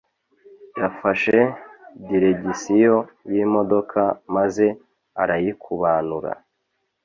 yafashe diregisiyo y'imodoka maze arayikubanura,